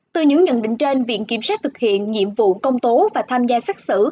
từ những nhận định trên viện kiểm soát thực hiện nhiệm vụ công tố và tham gia xác xử